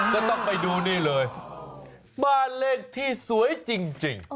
ก็ต้องไปดูนี่เลยบ้านเลขที่สวยจริง